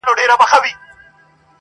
ازموینه کي د عشق برابر راغله,